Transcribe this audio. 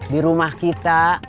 di rumah kita